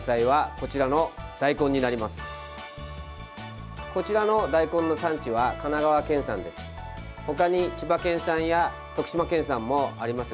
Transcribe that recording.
こちらの大根の産地は神奈川県産です。